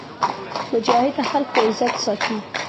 مجاهد د خلکو عزت ساتي.